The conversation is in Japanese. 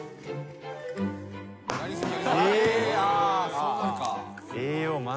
そうなるか。